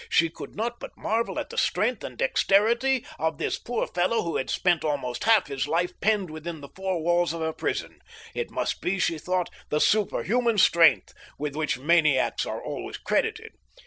She could not but marvel at the strength and dexterity of this poor fellow who had spent almost half his life penned within the four walls of a prison. It must be, she thought, the superhuman strength with which maniacs are always credited.